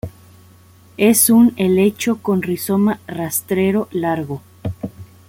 Es un helecho con rizoma rastrero largo.